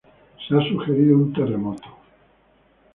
Se ha sugerido un terremoto.